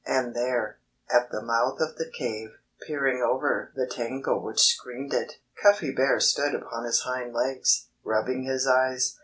And there, at the mouth of the cave, peering over the tangle which screened it, Cuffy Bear stood upon his hind legs, rubbing his eyes.